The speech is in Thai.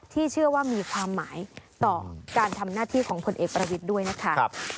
เชื่อว่ามีความหมายต่อการทำหน้าที่ของผลเอกประวิทย์ด้วยนะคะ